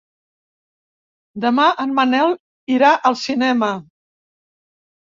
Demà en Manel irà al cinema.